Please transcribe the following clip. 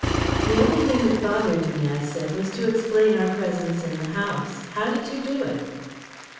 "The only thing that bothered me," I said, "was to explain our presence in the house. How did you do it?"